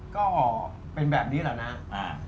ก็เป็นแบบนี้แหละนะ